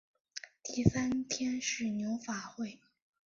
第三天是牛法会。